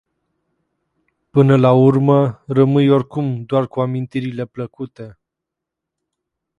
Până la urmă rămâi oricum doar cu amintirile plăcute.